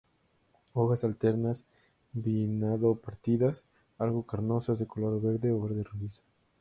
Hojas alternas, bipinnado-partidas, algo carnosas, de color verde o verde rojizo.